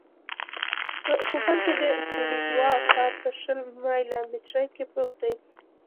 په کوپان کې د کیوریګوا ښار په شل مایله مترۍ کې پروت دی